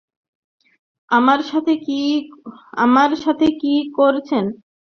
আমার সাথে কী করছেন?